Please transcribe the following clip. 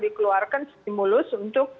dikeluarkan stimulus untuk